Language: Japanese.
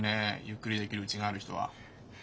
ゆっくりできるうちがある人は。